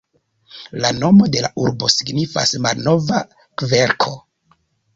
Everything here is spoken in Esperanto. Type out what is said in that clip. La nomo de la urbo signifas "malnova kverko".